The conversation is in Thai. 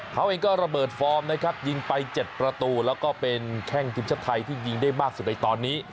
เขาเองก็ระเบิดฟอร์มนะครับยิงไป๗ประตูแล้วก็เป็นแข้งทีมชาติไทยที่ยิงได้มากสุดในตอนนี้